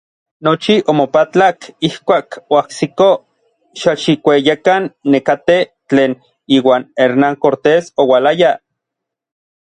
Nochi omopatlak ijkuak oajsikoj Xalxikueyekan nekatej tlen iuan Hernán Cortés oualayaj.